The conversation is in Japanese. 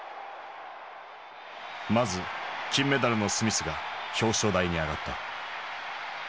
まず金メダルのスミスが表彰台に上がった。